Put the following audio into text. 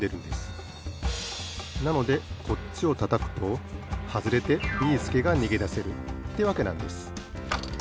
なのでこっちをたたくとはずれてビーすけがにげだせるってわけなんです。